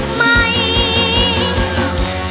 หนูไม่ถนัดเพลงเร็ว